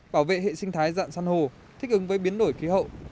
bảo vệ hệ sinh thái dạng san hô thích ứng với biến đổi khí hậu